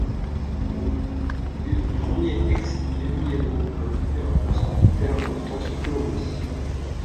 Il est le premier ex-guérillero à occuper un poste d'une telle importance en Colombie.